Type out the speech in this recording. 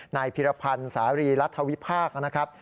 นายพิรพันธ์สาวิริรัฐวิภาคนะครับ